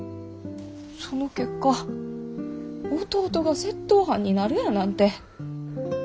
その結果弟が窃盗犯になるやなんて。